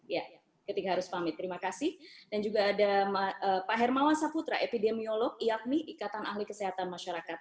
ya ketika harus pamit terima kasih dan juga ada pak hermawan saputra epidemiolog yakni ikatan ahli kesehatan masyarakat